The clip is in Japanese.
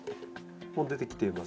もう出てきていますよね。